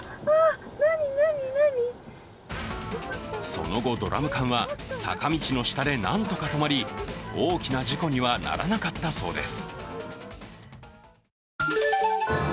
その後、ドラム缶は坂道の下でなんとか止まり大きな事故にはならなかったそうです。